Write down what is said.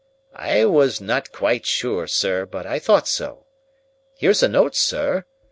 "I was not quite sure, sir, but I thought so. Here's a note, sir.